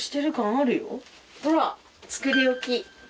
ほら「作りおき」。